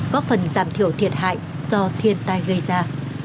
góp phần giảm thiểu thiệt hại do thiên tai gây ra